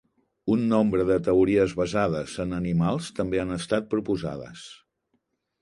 Un nombre de teories basades en animals també han estat proposades.